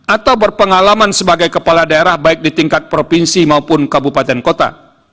atau berpengalaman sebagai kepala daerah baik di tingkat provinsi maupun kabupaten kota